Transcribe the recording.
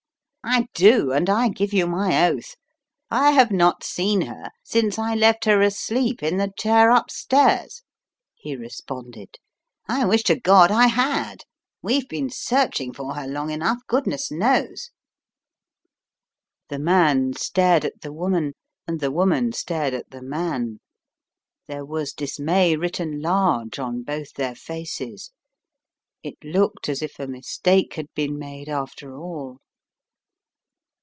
"I do, and I give you my oath. I have not seen her since I left her asleep in the chair upstairs," he 212 The Riddle of the Purple Emperor responded. "I wish to God I had! We've been searching for her long enough, goodness knows!' 9 The man stared at the woman and the woman stared at the man. There was dismay written large on both their faces. It looked as if a mistake had been made after all.